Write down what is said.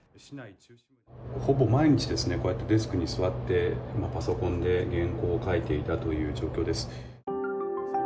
ほぼ毎日デスクに座ってパソコンで原稿を書いていたという状況です。